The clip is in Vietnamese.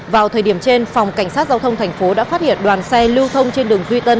vào thời điểm trên phòng cảnh sát giao thông thành phố đã phát hiện đoàn xe lưu thông trên đường duy tân